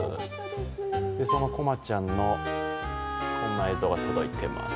そのコマちゃんの、こんな映像が届いています。